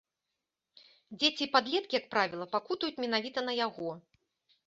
Дзеці і падлеткі, як правіла, пакутуюць менавіта на яго.